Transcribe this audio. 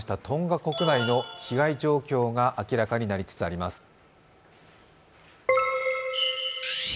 トンガ国内の被害状況が明らかになりつつあります。